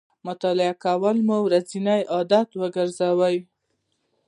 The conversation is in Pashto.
مطالعه کول مو ورځنی عادت وګرځوئ